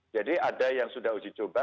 jadi ada yang sudah uji coba